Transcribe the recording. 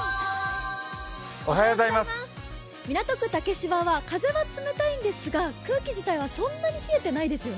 港区竹芝は風は冷たいんですが空気自体はそんなに冷えてないですよね。